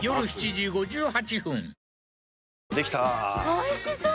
おいしそう！